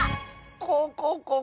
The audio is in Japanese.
コココココ。